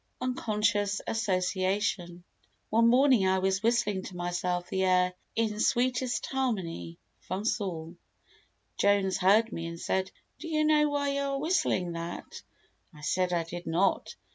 Unconscious Association One morning I was whistling to myself the air "In Sweetest Harmony" from Saul. Jones heard me and said: "Do you know why you are whistling that?" I said I did not.